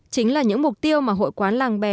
chính là những mục tiêu mà hội quán làng bè